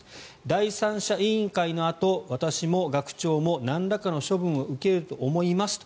第三者委員会のあと私も学長もなんらかの処分を受けると思いますと。